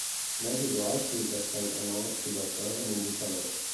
M'és igual si t'estan cremant les pilotes amb un bufador.